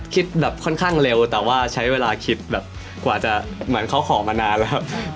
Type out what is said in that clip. คิดแบบค่อนข้างเร็วแต่ว่าใช้เวลาคิดแบบกว่าจะเหมือนเขาขอมานานแล้ว